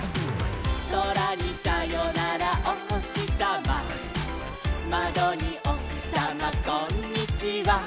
「そらにさよならおほしさま」「まどにおひさまこんにちは」